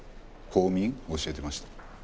公民教えてました。